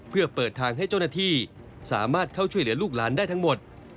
เพื่อเปิดทางให้เจ้าหน้าที่สามารถเข้าช่วยเหลือลูกหลานได้ทั้งหมด